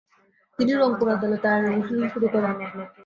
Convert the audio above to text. তিনি রংপুর আদালতে আইন অনুশীলন শুরু করেন।